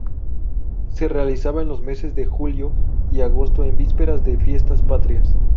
Se realizaba en los meses de julio y agosto, en vísperas de Fiestas Patrias.